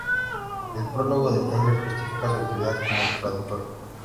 El prólogo de Tyler justifica su actividad como traductora.